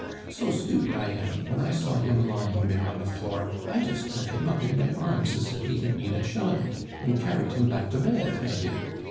"So stupid I am. When I saw him lying there on the floor, I just took him up in my arms as if he had been a child, and carried him back to bed, I did.